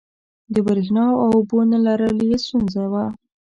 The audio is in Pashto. د برېښنا او اوبو نه لرل یې ستونزه وه.